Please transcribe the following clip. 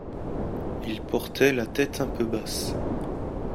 Il portait la tête un peu basse.